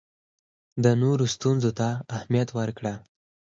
د نورو ستونزو ته اهمیت ورکړه.